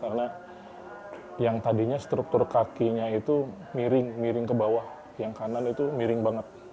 karena yang tadinya struktur kakinya itu miring miring ke bawah yang kanan itu miring banget